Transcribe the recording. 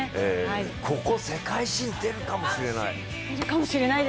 ここ世界新出るかもしれない。